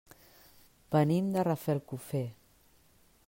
Venim de Rafelcofer.